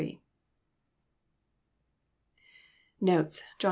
Notes. John XI.